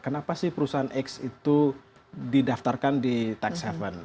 kenapa sih perusahaan x itu didaftarkan di tax haven